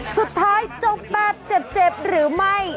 สุดท้ายจบแบบเจ็บหรือไม่